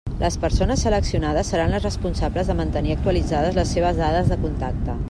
Les persones seleccionades seran les responsables de mantenir actualitzades les seves dades de contacte.